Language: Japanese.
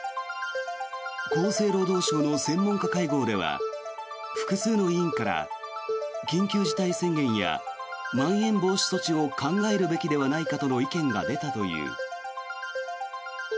厚生労働省の専門家会合では複数の委員から緊急事態宣言やまん延防止措置を考えるべきではないかとの意見が出たという。